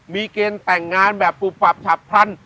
มีเกณฑ์แต่งงานแบบปุบปับฉับพลัน